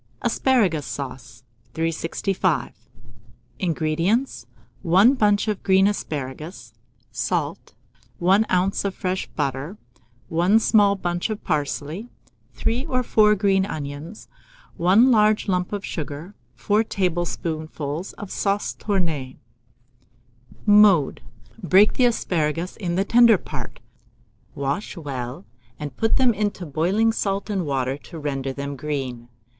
ASPARAGUS SAUCE. 365. INGREDIENTS. 1 bunch of green asparagus, salt, 1 oz. of fresh butter, 1 small bunch of parsley, 3 or 4 green onions, 1 large lump of sugar, 4 tablespoonfuls of sauce tournée. Mode. Break the asparagus in the tender part, wash well, and put them into boiling salt and water to render them green.